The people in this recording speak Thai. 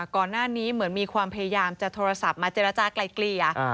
ก่อนหน้านี้เหมือนมีความพยายามจะโทรศัพท์มาเจรจากลายเกลี่ย